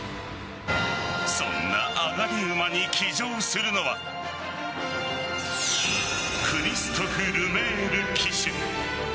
そんな上がり馬に騎乗するのはクリストフ・ルメール騎手。